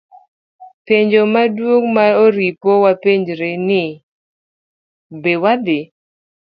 Penjo maduong' ma oripo wapenjre en ni be wadhi